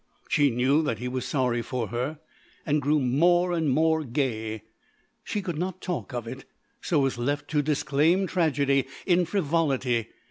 She knew that he was sorry for her and grew more and more gay. She could not talk of it, so was left to disclaim tragedy in frivolity.